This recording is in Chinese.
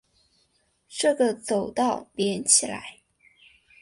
这个走道连起来